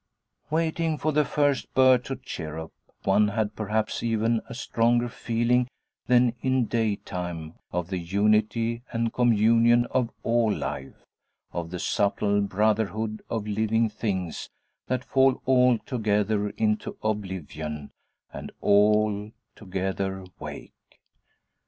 Waiting for the first bird to chirrup, one had perhaps even a stronger feeling than in daytime of the unity and communion of all life, of the subtle brotherhood of living things that fall all together into oblivion, and, all together, wake.